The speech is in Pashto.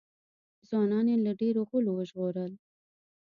ځوانان یې له ډېرو غولو وژغورل.